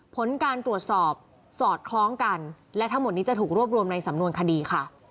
ผลการตรวจสอบสอดคล้องกันและทั้งหมดนี้จะถูกรวบรวมในสำนวนคดีค่ะ